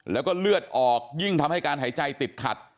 แล้วก็เลือดออกยิ่งทำให้การหายใจติดขัด